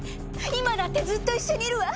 今だってずっと一緒にいるわ。